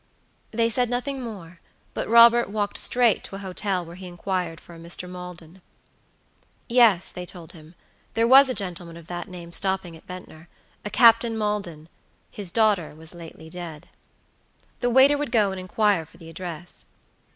They said nothing more; but Robert walked straight to a hotel where he inquired for a Mr. Maldon. Yes, they told him, there was a gentleman of that name stopping at Ventnor, a Captain Maldon; his daughter was lately dead. The waiter would go and inquire for the address.